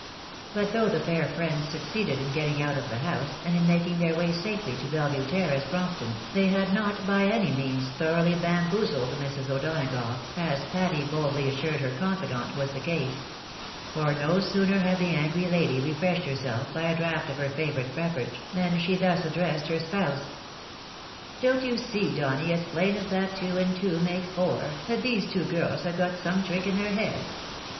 But though the fair friends succeeded in getting out of the house, and in making their way safely to Bellevue terrace, Brompton, they had not by any means " thoroughly bamboozled" Mrs. O'Donagough, as Patty boldly assured her confidant was the case ; for no sooner had the angry lady refreshed herself by a draught of her favourite beverage, than she thus addressed her spouse :" Don't you see, Donny, as plain as that two and two make four, that these two girls have got some trick in their heads